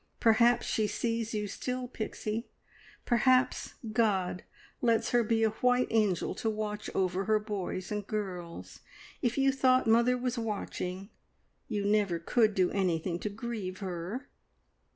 Perhaps she sees you still, Pixie! Perhaps God lets her be a white angel to watch over her boys and girls. If you thought mother was watching, you never could do anything to grieve her!"